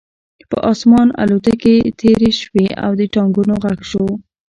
په آسمان الوتکې تېرې شوې او د ټانکونو غږ شو